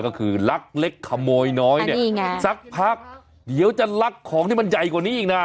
ก็คือลักเล็กขโมยน้อยเนี่ยสักพักเดี๋ยวจะลักของที่มันใหญ่กว่านี้อีกนะ